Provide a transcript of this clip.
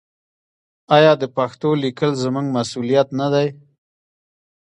آیا د پښتو لیکل زموږ مسوولیت نه دی؟